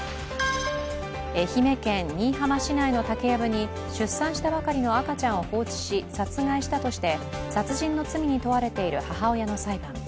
愛媛県新居浜市内の竹やぶに出産したばかりの赤ちゃんを放置し、殺害したとして殺人の罪に問われている母親の裁判。